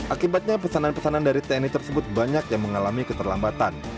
akibatnya pesanan pesanan dari tni tersebut banyak yang mengalami keterlambatan